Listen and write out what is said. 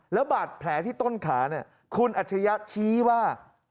แล้วบาดแผลที่ต้นขาเนี่ยคุณอัจฉริยะชี้ว่า